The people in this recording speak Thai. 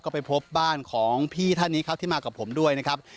ก็ไปพบบ้านของพี่ท่านนี้ครับที่มากับผมด้วยนะครับ